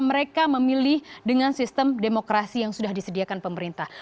mereka memilih dengan sistem demokrasi yang sudah disediakan pemerintah